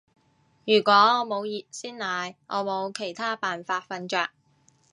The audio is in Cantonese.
如果我冇熱鮮奶，我冇其他辦法瞓着